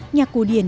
nhạc cổ điển